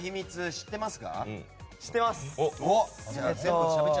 知ってます。